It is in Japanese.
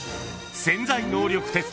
［『潜在能力テスト』］